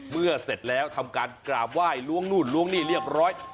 เสร็จแล้วทำการกราบไหว้ล้วงนู่นล้วงนี่เรียบร้อย